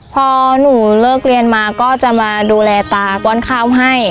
พอหนูเลิกเรียนมาก็จะมาดูแลตาก้อนข้าวให้